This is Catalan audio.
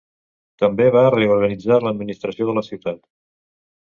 També va reorganitzar l'administració de la ciutat.